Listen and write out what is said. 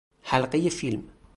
حلقه فیلم